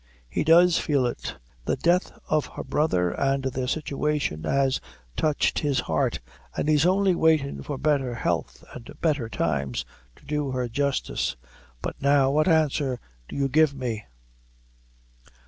"He does feel it. The death of her brother and their situation has touched his heart, an' he's only waitin' for better health and better times to do her justice; but now what answer do you give me?"